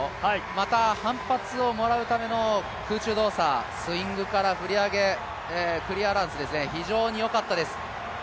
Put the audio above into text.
また反発をもらうための空中動作、スイングから振り上げ、クリアランス、非常によかったです